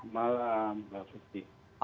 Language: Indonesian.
malam waktu australia